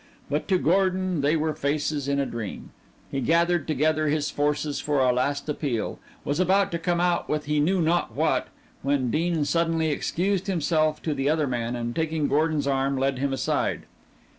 But to Gordon they were faces in a dream. He gathered together his forces for a last appeal, was about to come out with he knew not what, when Dean suddenly excused himself to the other man and taking Gordon's arm led him aside.